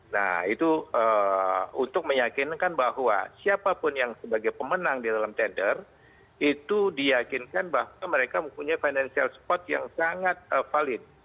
nah itu untuk meyakinkan bahwa siapapun yang sebagai pemenang di dalam tender itu diyakinkan bahwa mereka mempunyai financial spot yang sangat valid